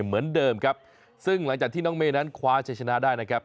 เหมือนเดิมครับซึ่งหลังจากที่น้องเมย์นั้นคว้าชัยชนะได้นะครับ